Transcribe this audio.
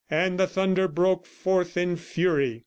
And the thunder broke forth in fury.